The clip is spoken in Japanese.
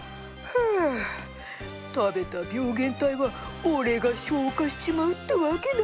ふ食べた病原体は俺が消化しちまうってわけだ。